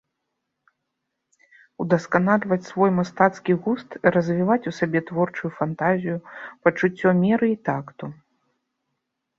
Удасканальваць свой мастацкі густ, развіваць у сабе творчую фантазію, пачуццё меры і такту.